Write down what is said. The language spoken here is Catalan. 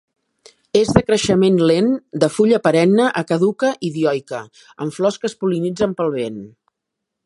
És de creixement lent, de fulla perenne a caduca i dioica, amb flors que es pol·linitzen pel vent.